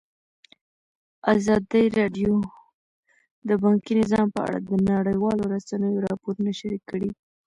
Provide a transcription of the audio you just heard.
ازادي راډیو د بانکي نظام په اړه د نړیوالو رسنیو راپورونه شریک کړي.